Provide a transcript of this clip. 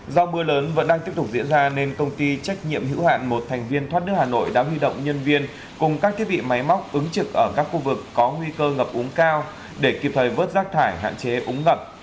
do mưa lớn vẫn đang tiếp tục diễn ra nên công ty trách nhiệm hữu hạn một thành viên thoát nước hà nội đã huy động nhân viên cùng các thiết bị máy móc ứng trực ở các khu vực có nguy cơ ngập úng cao để kịp thời vớt rác thải hạn chế úng ngập